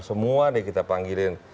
semua nih kita panggilin